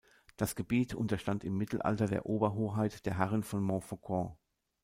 Das Gebiet unterstand im Mittelalter der Oberhoheit der Herren von Montfaucon.